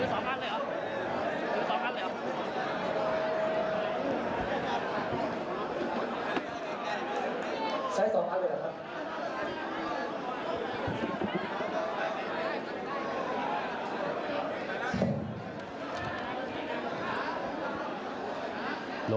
โหล